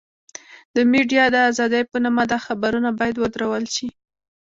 د ميډيا د ازادۍ په نامه دا خبرونه بايد ودرول شي.